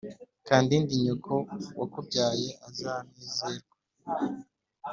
kandindi nyoko wakubyaye azanezerwa